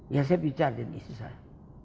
ya saya bicara dengan istri saya